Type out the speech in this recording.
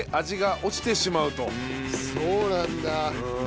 そうなんだ。